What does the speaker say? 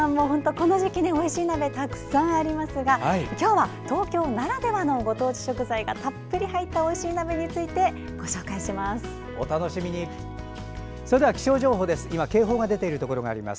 この時期においしい鍋たくさんありますが今日は東京ならではのご当地食材がたっぷり入ったおいしい鍋についてご紹介します。